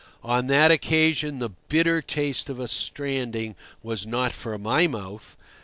On that occasion the bitter taste of a stranding was not for my mouth.